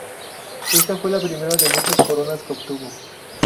Esta fue la primera de muchas coronas que obtuvo.